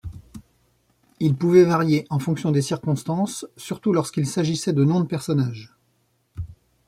Ils pouvaient varier en fonction des circonstances, surtout lorsqu'il s'agissait de noms de personnages.